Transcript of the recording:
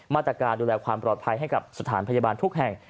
มาตรการดูแลความปลอดภัยให้กับสถานพยาบาลทุกแห่ง